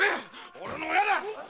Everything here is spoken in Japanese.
俺の親だ！